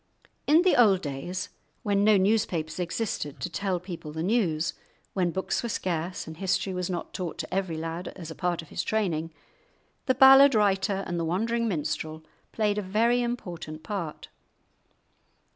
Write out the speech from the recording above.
In the old days, when no newspapers existed to tell people the news, when books were scarce and history was not taught to every lad as a part of his training, the ballad writer and the wandering minstrel played a very important part.